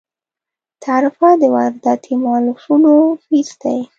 تعرفه د وارداتي مالونو فیس دی.